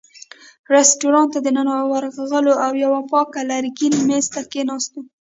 رېستورانت ته دننه ورغلو او یوه پاک لرګین مېز ته کېناستو.